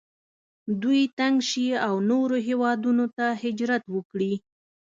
دوی تنګ شي او نورو هیوادونو ته هجرت وکړي.